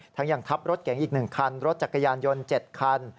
ยังทับรถเก๋งอีก๑คันรถจักรยานยนต์๗คัน